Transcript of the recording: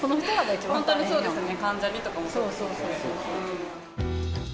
本当にそうですよね。